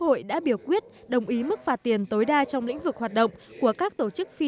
hội đã biểu quyết đồng ý mức phạt tiền tối đa trong lĩnh vực hoạt động của các tổ chức phi